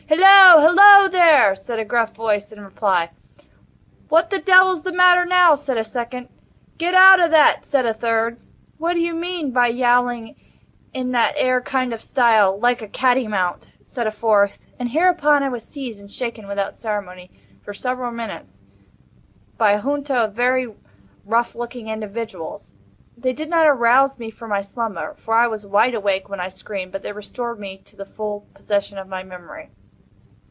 "Hillo! hillo, there!" said a gruff voice, in reply. "What the devil's the matter now!" said a second. "Get out o' that!" said a third. "What do you mean by yowling in that ere kind of style, like a cattymount?" said a fourth; and hereupon I was seized and shaken without ceremony, for several minutes, by a junto of very rough looking individuals. They did not arouse me from my slumber—for I was wide awake when I screamed—but they restored me to the full possession of my memory.